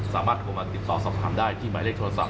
สามารถโทรมาติดต่อสอบถามได้ที่หมายเลขโทรศัพ